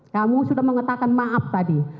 kamu sudah mengatakan maaf tadi